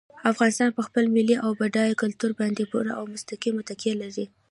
افغانستان په خپل ملي او بډایه کلتور باندې پوره او مستقیمه تکیه لري.